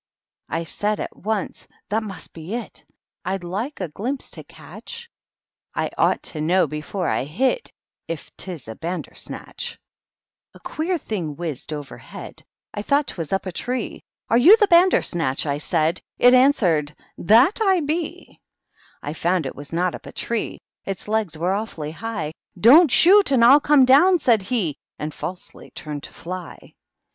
I said at once^ * That must be it ; rd like a glimpse to catchy — THE MOCK TUETLE. / ought to know before I hit Jf 'tis a Bandersnatch' THE MOCK TURTLE. 233 A queer thing whizzled overhead; I thought Hwas up a tree. * Are you the Bandersnatch T I said. It answeredy ^ That I be P I found it was not up a tree, — Its legs were awfully high. * DonH shooty and III eome d(ywn^ said he^ And falsely turned to fly.